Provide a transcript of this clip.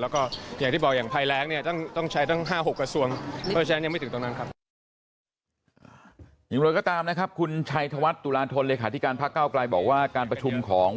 แล้วก็อย่างที่บอกอย่างภายแล้วต้องใช้ตั้ง๕๖กระทรวง